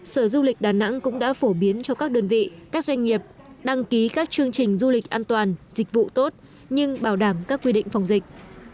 sở du lịch đà nẵng cũng đã phổ biến cho các đơn vị các doanh nghiệp đăng ký các chương trình du lịch an toàn dịch vụ tốt nhưng bảo đảm các quy định phòng dịch